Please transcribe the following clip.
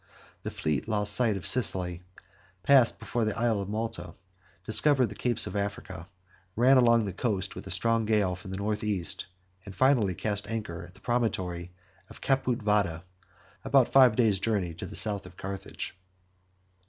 The fleet lost sight of Sicily, passed before the Isle of Malta, discovered the capes of Africa, ran along the coast with a strong gale from the north east, and finally cast anchor at the promontory of Caput Vada, about five days' journey to the south of Carthage.